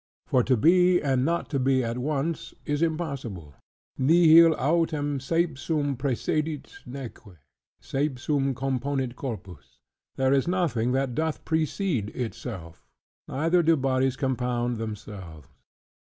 For to be, and not to be, at once, is impossible. "Nihil autem seipsum praecedit, neque; seipsum componit corpus": "There is nothing that doth precede itself, neither do bodies compound themselves."